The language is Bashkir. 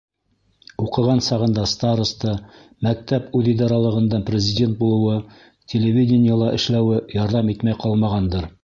Уҡыған сағында староста, мәктәп үҙидаралығында президент булыуы, телевидениела эшләүе ярҙам итмәй ҡалмағандыр.